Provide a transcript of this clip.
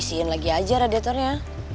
isiin lagi aja radiatornya